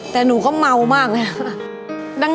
แต่หนูก็เมามากเลยค่ะ